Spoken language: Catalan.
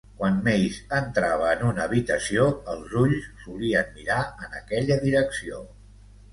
Quan Mays entrava en una habitació, els ulls solien mirar en aquella direcció.